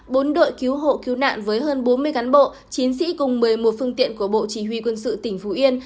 bốn đội cứu hộ cứu nạn với hơn bốn mươi cán bộ chiến sĩ cùng một mươi một phương tiện của bộ chỉ huy quân sự tỉnh phú yên